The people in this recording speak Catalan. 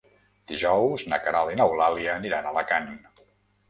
Dijous na Queralt i n'Eulàlia aniran a Alacant.